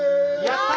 やった！